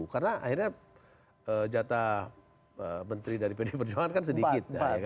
karena akhirnya jatah menteri dari pd perjuangan kan sedikit